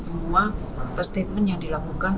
untuk memantau semua perstatement yang dilakukan